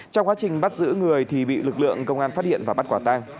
trong quá trình bắt giữ người thì bị lực lượng công an phát hiện và bắt quả tang